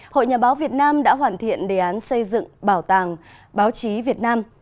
hội nhà báo việt nam đã hoàn thiện đề án xây dựng bảo tàng báo chí việt nam